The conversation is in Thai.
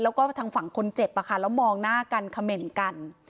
แล้วก็ทางฝั่งคนเจ็บแล้วมองหน้ากันเขม่นกัน